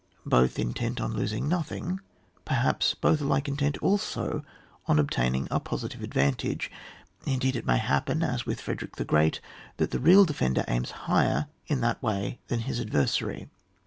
Both intent on losing nothing, perhaps both alike intent also on obtaining a positive advantage. Indeed it may happen, as with Frederick the Chreat, that the real defender aims higher in that way than his adversary.